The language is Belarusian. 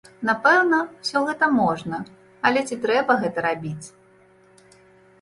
Напэўна, усё гэта можна, але ці трэба гэта рабіць!?